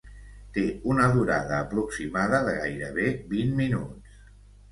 Té una durada aproximada de gairebé vint minuts.